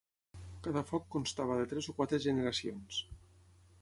Cada foc constava de tres o quatre generacions.